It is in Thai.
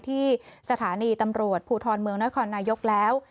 ที่สถานีตำรวจภูทรเมืองนครนายกแล้ว